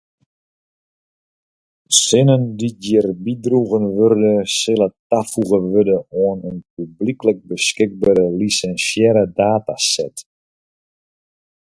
Sinnen dy’t hjir bydroegen wurde sille tafoege wurde oan in publyklik beskikbere lisinsearre dataset.